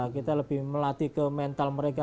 kita lebih melatih ke mental mereka